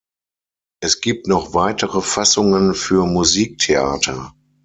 Es gibt noch weitere Fassungen für Musiktheater.